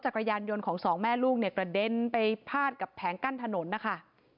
จักรยานยนต์ของสองแม่ลูกเนี่ยกระเด็นไปพาดกับแผงกั้นถนนนะคะ